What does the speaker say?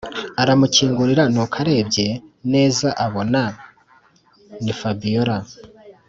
aramukingurira nuko arebye neza abona ni fabiora.